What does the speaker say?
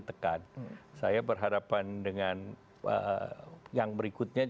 rivalnya atau calon rivalnya